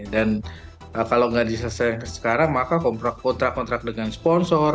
dan kalau tidak diselesaikan sekarang maka kontrak kontrak dengan sponsor